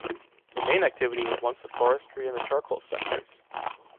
The main activity was once the forestry and the charcoal sectors.